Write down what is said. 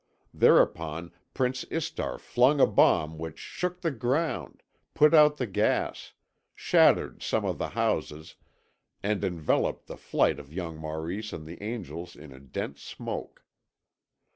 Thereupon Prince Istar flung a bomb which shook the ground, put out the gas, shattered some of the houses, and enveloped the flight of young Maurice and the angels in a dense smoke.